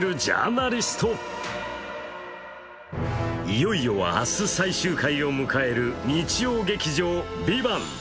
いよいよ明日、最終回を迎える日曜劇場「ＶＩＶＡＮＴ」。